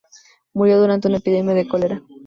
Murió durante una epidemia de cólera.